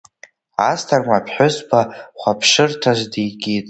Асҭамыр аԥҳәызба хәаԥшырҭас дикит.